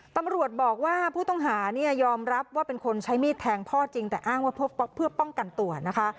ตำรวจบอกว่าผู้ต้องหาเนี่ยยอมรับว่าเป็นคนใช้มีดแทงพ่อจริงแต่อ้างว่าเพื่อป้องกันตัวนะคะ